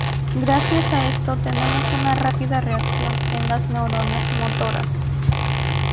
Gracias a esto tenemos una rápida reacción en las neuronas motoras.